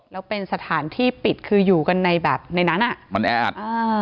แล้วเป็นสถานที่ปิดคืออยู่กันในแบบในนั้นอ่ะมันแออัดอ่า